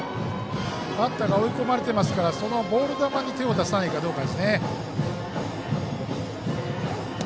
バッターが追い込まれてますからボール球に手を出さないかどうか。